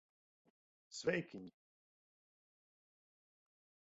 Sveikiņi!